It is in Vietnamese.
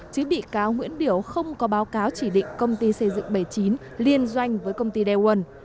chứ bị cáo nguyễn điểu không có báo cáo chỉ định công ty xây dựng bảy mươi chín liên doanh với công ty daewon